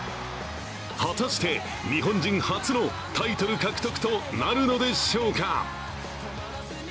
果たして日本人初のタイトル獲得となるのでしょうか。